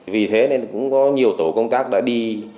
vì thế nên cũng có nhiều tổ công tác đã đi